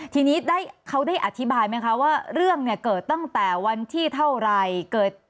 ทีนี้เขาได้อธิบายไหมคะว่าเรื่องเนี่ยเกิดตั้งแต่วันที่เท่าไหร่